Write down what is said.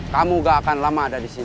kamu nggak akan lama ada disini